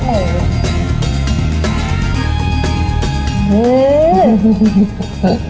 อื้ออื้ออื้อ